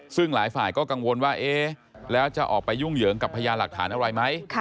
ซึ่งหลายฝ่ายก็กังวลว่าเอ๊ะแล้วจะออกไปยุ่งเหยิงกับพยานหลักฐานอะไรไหม